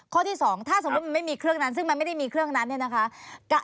ข้อที่๒ถ้าสมมุติมันไม่มีเครื่องนั้นซึ่งมันไม่ได้มีเครื่องนั้นเนี่ยนะคะ